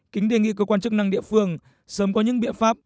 kính đề nghị cơ quan chức năng địa phương sớm có những biện pháp